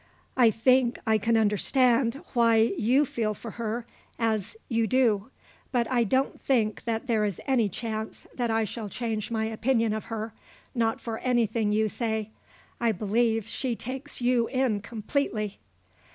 I think I can understand why you feel for her as you do. But I don't think that there is any chance that I shall change my opinion of her; not for anything you say. I believe that she takes you in completely."